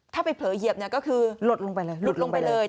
ถ้าไปเผลอเหยียบก็คือลดลงไปเลย